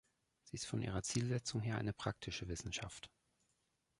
Sie ist von ihrer Zielsetzung her eine praktische Wissenschaft.